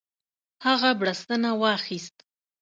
هغه بړستنه واخیست.